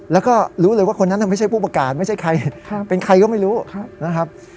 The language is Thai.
แล้วก็รู้เลยว่าคนนั้นไม่ใช่ผู้ประกาศไม่ใช่ใครเป็นใครก็ไม่รู้นะครับ